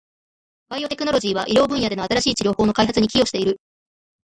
バイオテクノロジーは、医療分野での新しい治療法の開発に寄与している。